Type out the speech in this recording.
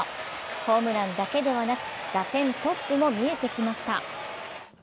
ホームランだけではなく打点トップも見えてきました。